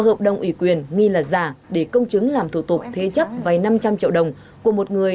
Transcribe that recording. hợp đồng ủy quyền nghi là giả để công chứng làm thủ tục thế chấp vay năm trăm linh triệu đồng của một người